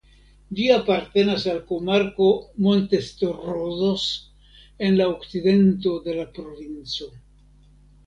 Ĝi apartenas al komarko "Montes Torozos" en la okcidento de la provinco.